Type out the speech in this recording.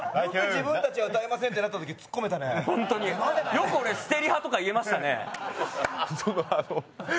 よく俺捨てリハとか言えましたね。